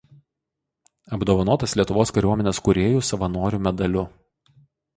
Apdovanotas Lietuvos kariuomenės kūrėjų savanorių medaliu.